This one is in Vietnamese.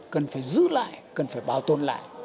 cần phải giữ lại cần phải bảo tồn lại